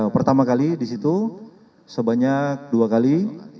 pertama kali disitu sebanyak dua kali